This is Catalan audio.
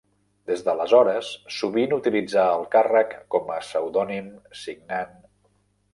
Des d'aleshores sovint utilitzà el càrrec com a pseudònim signant: